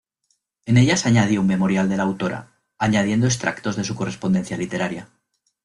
En ellas añadió un memorial de la autora, añadiendo extractos de su correspondencia literaria.